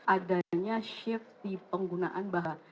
adanya shift di penggunaan bahan